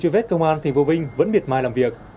vết công an thành phố vinh vẫn miệt mai làm việc